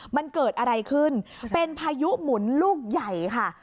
มันเกิดอะไรขึ้นเป็นพายุหมุนลูกใหญ่ค่ะ